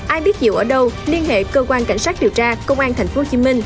ai biết diệu ở đâu liên hệ cơ quan cảnh sát điều tra công an tp hcm